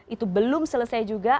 itu belum selesai juga